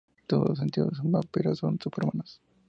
Todos los sentidos de un vampiro son superhumanos.